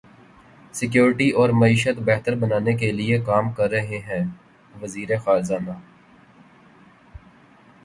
security اور معیشت بہتر بنانے کیلئے کام کر رہے ہیںوزیر خزانہ